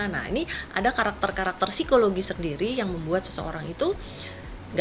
nah ini ada karakter karakter psikologi sendiri yang membuat seseorang itu gak percaya dengan dirinya